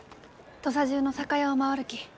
土佐中の酒屋を回るき。